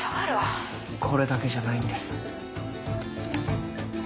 これだけじゃないんです。